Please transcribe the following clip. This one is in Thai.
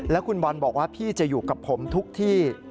แล้วคุณบอลบอกว่าพี่จะอยู่กับผมทุกที่